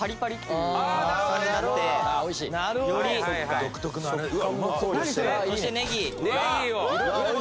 うわ！